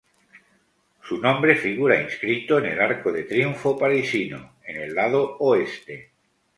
Su nombre figura inscrito en el Arco de Triunfo parisino, en el lado Oeste.